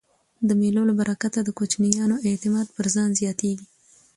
د مېلو له برکته د کوچنیانو اعتماد پر ځان زیاتېږي.